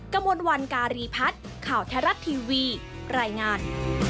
กระมวลวันการีพัฒน์ข่าวไทยรัฐทีวีรายงาน